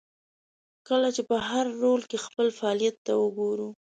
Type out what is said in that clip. کله چې په هر رول کې خپل فعالیت ته وګورو.